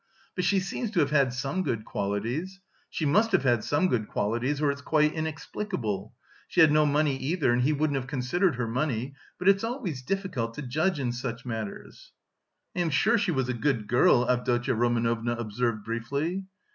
But she seems to have had some good qualities. She must have had some good qualities or it's quite inexplicable.... She had no money either and he wouldn't have considered her money.... But it's always difficult to judge in such matters." "I am sure she was a good girl," Avdotya Romanovna observed briefly.